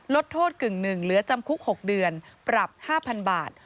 ลดโทษกึ่งหนึ่งเหลือจำคุก๖เดือนปรับ๕๐๐๐บาท